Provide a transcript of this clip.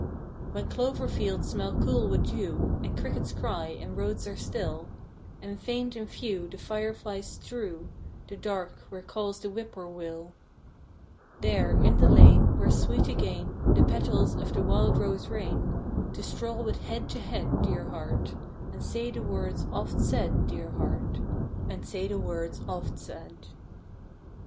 When clover fields smell cool with dew, And crickets cry, and roads are still; And faint and few the fire flies strew The dark where calls the whippoorwill; There, in the lane, where sweet again The petals of the wild rose rain, To stroll with head to head, dear heart, And say the words oft said, dear heart, And say the words oft said!